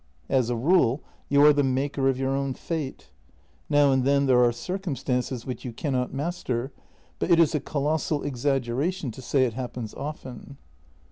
As a rule, you are the maker of your own fate. Now and then there are circumstances which you cannot master, but it is a colossal exaggeration to say it happens often."